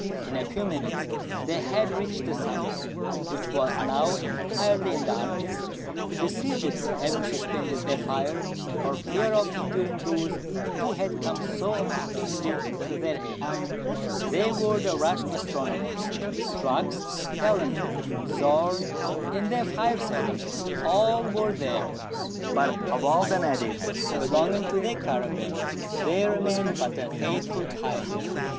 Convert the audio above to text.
In a few minutes they had reached the summit, which was now entirely in darkness, the besieged having suspended their fire for fear of injuring those who had come so opportunely to their aid. They w^ere the Russian astronomers. Strux, Palander, Zorn, and their five sailors, all were there : but of all the natives belonging to their caravan there remained but the faithful pioneer.